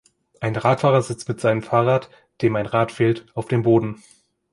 Ein Radfahrer sitzt mit seinem Fahrrad, dem ein Rad fehlt, auf dem Boden.